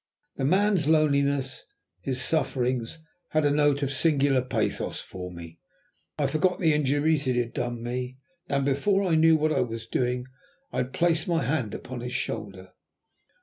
The man's loneliness, his sufferings, had a note of singular pathos for me. I forgot the injuries he had done me, and before I knew what I was doing, I had placed my hand upon his shoulder.